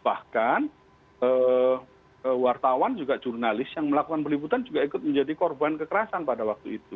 bahkan wartawan juga jurnalis yang melakukan peliputan juga ikut menjadi korban kekerasan pada waktu itu